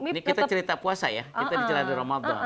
ini kita cerita puasa ya kita di celana ramadhan